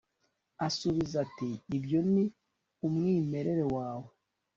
arasubiza ati ibyo ni umwimerere wawe